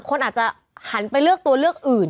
คนอาจจะหันไปเลือกตัวเลือกอื่น